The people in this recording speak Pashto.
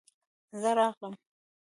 زه راغلم.